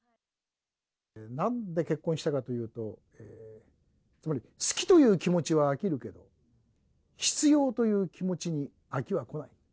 なんで結婚したかというと、つまり好きという気持ちは飽きるけど、必要という気持ちに飽きはこない。